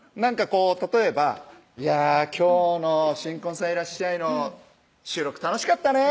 例えば「いや今日の新婚さんいら収録楽しかったね」